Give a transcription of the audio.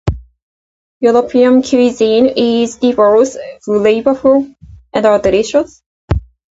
European cuisine is diverse, flavorful, and delicious.